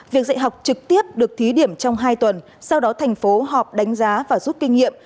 việc dạy học trực tiếp được thí điểm trong hai tuần sau đó thành phố họp đánh giá và rút kinh nghiệm